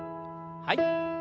はい。